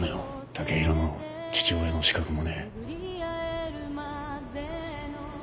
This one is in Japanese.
剛洋の父親の資格もねえ。